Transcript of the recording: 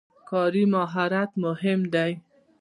کاري مهارت مهم دی.